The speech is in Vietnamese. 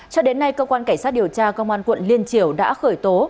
cho đến nay cơ quan cảnh sát điều tra công an quận liên triều đã khởi tố